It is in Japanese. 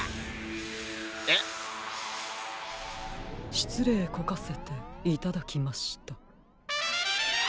しつれいこかせていただきました。